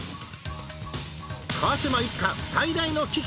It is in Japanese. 川島一家最大の危機